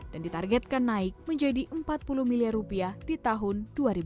dan ditargetkan naik menjadi empat puluh miliar rupiah di tahun dua ribu dua puluh dua